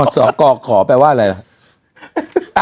สกขอแปลว่าอะไรล่ะ